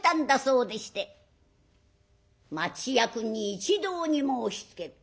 「町役に一同に申しつける。